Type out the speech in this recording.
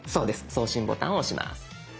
送信ボタンを押します。